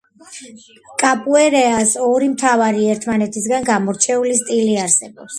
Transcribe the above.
კაპუეირას ორი მთავარი ერთმანეთისგან გამორჩეული სტილი არსებობს.